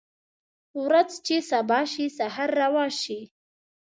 ورځ چې سبا شي سحر روا شي